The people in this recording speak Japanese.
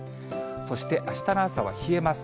そして、あしたの朝は冷えます。